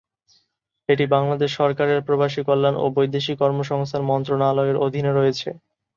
এটি বাংলাদেশ সরকারের প্রবাসী কল্যাণ ও বৈদেশিক কর্মসংস্থান মন্ত্রণালয়ের অধীনে রয়েছে।